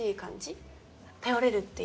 頼れるっていうか。